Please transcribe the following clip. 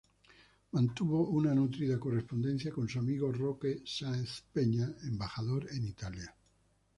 Mantuvo una nutrida correspondencia con su amigo Roque Sáenz Peña, embajador en Italia.